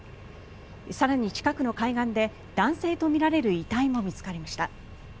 更に近くの海岸で男性とみられる遺体も見つかりました。